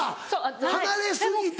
離れ過ぎて。